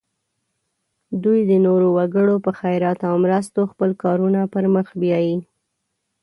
دوی د نورو وګړو په خیرات او مرستو خپل کارونه پر مخ بیایي.